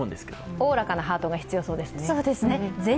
おおらかなハートが必要ですね。